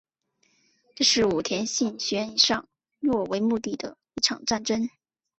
这是武田信玄以上洛为目的的一场战争。